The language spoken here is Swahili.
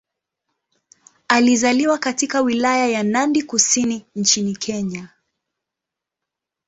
Alizaliwa katika Wilaya ya Nandi Kusini nchini Kenya.